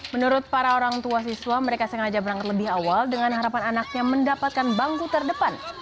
menurut para orang tua siswa mereka sengaja berangkat lebih awal dengan harapan anaknya mendapatkan bangku terdepan